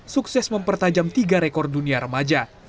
sukses mempertajam tiga rekor dunia remaja